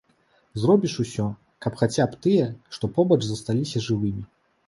Зробіш усё, каб хаця б тыя, што побач, засталіся жывымі.